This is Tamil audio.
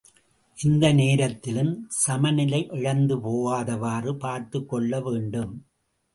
எந்த நேரத்திலும் சமநிலை இழந்து போகாதவாறு பார்த்துக்கொள்ள வேண்டும்.